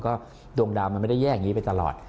ก็ดวงดาวมันไม่ได้แยกอย่างนี้ไปตลอด